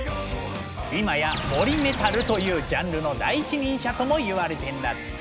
今や「森メタル」というジャンルの第一人者ともいわれてんだって。